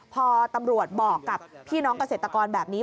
พอตำรวจบอกกับพี่น้องเกษตรกรแบบนี้